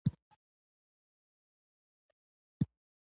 ډيپلوماسي د سولې تړونونه عملي کوي.